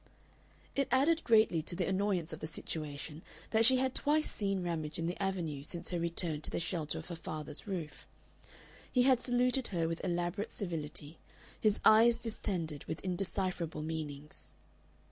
It added greatly to the annoyance of the situation that she had twice seen Ramage in the Avenue since her return to the shelter of her father's roof. He had saluted her with elaborate civility, his eyes distended with indecipherable meanings.